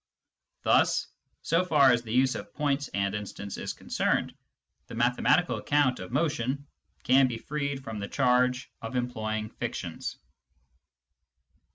Thus, so far as the use of points and instants is concerned, the mathematical account of motion can be freed from the charge of employing fictions.